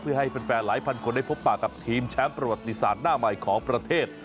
เพื่อให้แฟนหลายพันคนได้พบปากกับทีมแชมป์ประวัติศาสตร์หน้าใหม่ของประเทศ